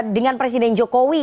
dengan presiden jokowi